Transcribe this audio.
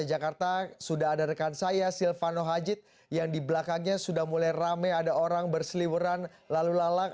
di jakarta sudah ada rekan saya silvano hajid yang di belakangnya sudah mulai rame ada orang berseliweran lalu lalang